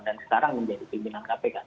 dan sekarang menjadi pimpinan kpk